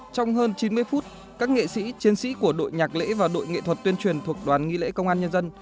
trong hơn chín mươi phút các nghệ sĩ chiến sĩ của đội nhạc lễ và đội nghệ thuật tuyên truyền thuộc đoàn nghi lễ công an nhân dân